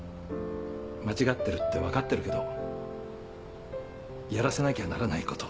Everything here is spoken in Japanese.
間違ってるって分かってるけどやらせなきゃならないこと。